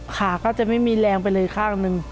ขาก็จะไม่มีแรงไปเลยข้างหนึ่ง